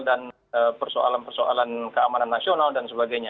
dan persoalan persoalan keamanan nasional dan sebagainya